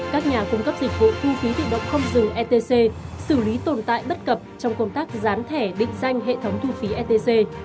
các nhà cung cấp dịch vụ thu phí tự động không dừng etc xử lý tồn tại bất cập trong công tác gián thẻ định danh hệ thống thu phí etc